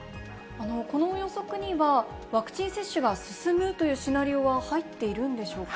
この予測には、ワクチン接種が進むというシナリオは入っているんでしょうか。